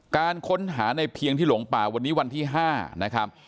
การค้นหาในเพียงที่หลงป่าวันนี้วันที่๕นะครับ